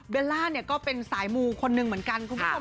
ล่าเนี่ยก็เป็นสายมูคนหนึ่งเหมือนกันคุณผู้ชม